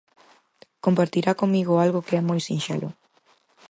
Compartirá comigo algo que é moi sinxelo.